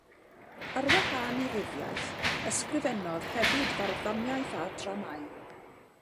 Ar wahân i ryddiaith ysgrifennodd hefyd farddoniaeth a dramâu.